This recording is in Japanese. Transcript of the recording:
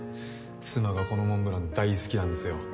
妻がこのモンブラン大好きなんですよ